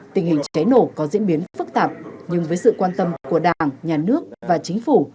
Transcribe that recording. tình hình cháy nổ có diễn biến phức tạp nhưng với sự quan tâm của đảng nhà nước và chính phủ